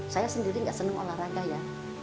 saya sendiri nggak seneng olahraga ya